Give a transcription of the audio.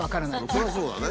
それはそうだね。